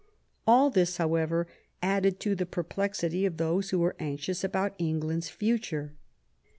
All this, however, added to the perplexity of those who were anxious about England's future.